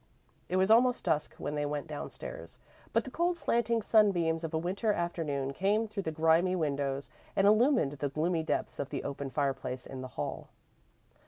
It was almost dusk when they went downstairs, but the cold slanting sunbeams of a Winter afternoon came through the grimy windows and illumined the gloomy depths of the open fireplace in the hall.